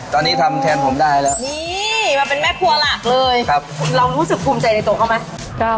ตอนนี้ทำแทนผมได้แล้วนี่มาเป็นแม่ครัวหลักเลยครับเรารู้สึกภูมิใจในตัวเขาไหม